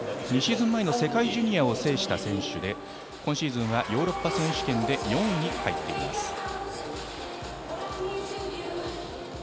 ２シーズン前の世界ジュニアを制した選手で今シーズンはヨーロッパ選手権で４位に入っています。